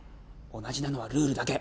同じなのはルールだけ。